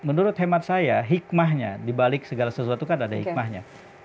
menurut hemat saya hikmahnya dibalik segala sesuatu kan ada hikmahnya